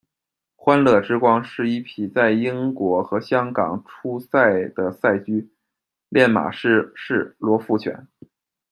欢乐之光，是一匹在英国和香港出赛的赛驹，练马师是罗富全。